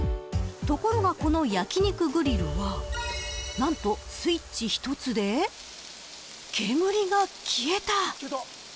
ところがこの焼き肉グリルは何とスイッチ一つで煙が消えた。